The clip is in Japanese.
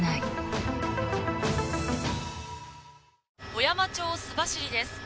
小山町須走です。